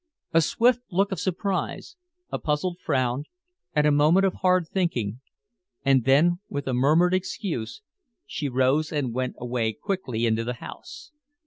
A swift look of surprise, a puzzled frown and a moment of hard thinking and then with a murmured excuse she rose and went away quickly into the house.